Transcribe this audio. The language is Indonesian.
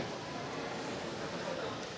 jadi kita sudah bisa lihat